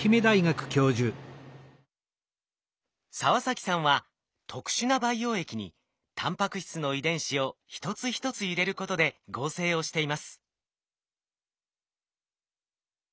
澤崎さんは特殊な培養液にタンパク質の遺伝子を一つ一つ入れることで合成をしています。